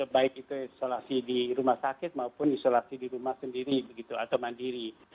baik itu isolasi di rumah sakit maupun isolasi di rumah sendiri begitu atau mandiri